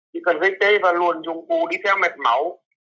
chỉ cần dây tê và luồn dụng cụ đi theo mẹt máu